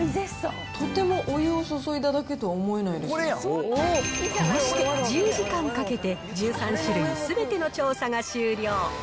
とてもお湯を注いだだけとは思えこうして、１０時間かけて１３種類すべての調査が終了。